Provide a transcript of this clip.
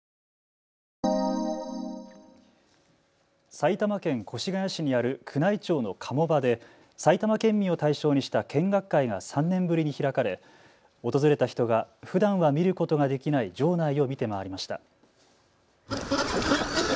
埼玉県越谷市にある宮内庁の鴨場で埼玉県民を対象にした見学会が３年ぶりに開かれ訪れた人がふだんは見ることができない場内を見て回りました。